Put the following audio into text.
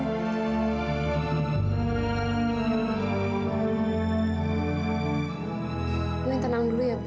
lu yang tenang dulu ya bu